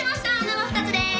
生２つです！